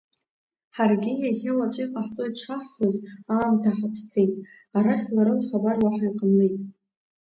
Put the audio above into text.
Ҳаргьы иахьа уаҵәы иҟаҳҵоит шаҳҳәоз аамҭа ҳацәцеит, арахь лара лхабар уаҳа иҟамлеит.